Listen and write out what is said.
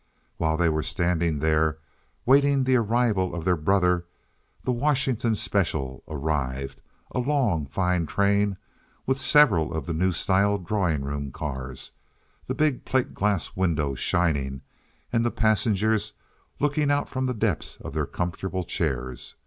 While they were standing there, waiting the arrival of their brother, the Washington Special arrived, a long, fine train with several of the new style drawing room cars, the big plate glass windows shining and the passengers looking out from the depths of their comfortable chairs.